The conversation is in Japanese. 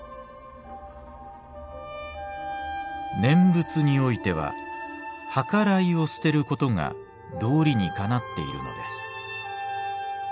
「『念仏においてははからいを捨てることが道理にかなっているのです。